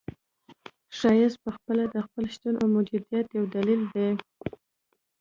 ښایست پخپله د خپل شتون او موجودیت یو دلیل دی.